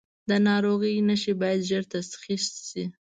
د ناروغۍ نښې باید ژر تشخیص شي.